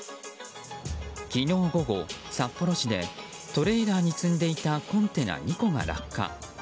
昨日午後、札幌市でトレーラーに積んでいたコンテナ２個が落下。